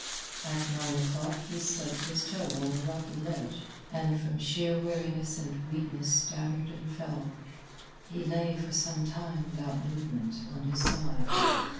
At nine o'clock he stubbed his toe on a rocky ledge, and from sheer weariness and weakness staggered and fell. He lay for some time, without movement, on his side.